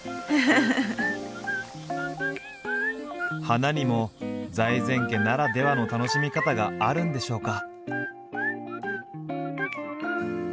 花にも財前家ならではの楽しみ方があるんでしょうか？